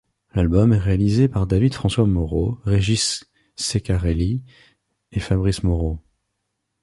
L'album est réalisé par David François Moreau, Régis Ceccarelli et Fabrice Moreau.